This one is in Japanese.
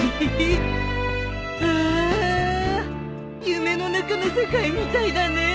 夢の中の世界みたいだね。